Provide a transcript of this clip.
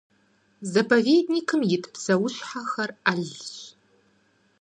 Заповедникым ит псэущхьэхэр Ӏэлщ.